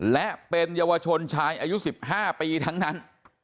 และเป็นเยาวชนชายอายุ๑๕ปีทั้งนั้น